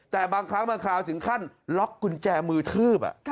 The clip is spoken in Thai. แต่บางครั้งบางคราวถึงขั้นล็อกกุญแจมือทืบ